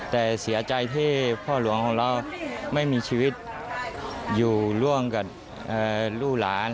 แต่เสียใจที่พ่อหลวงของเราไม่มีชีวิตอยู่ร่วมกับลูกหลาน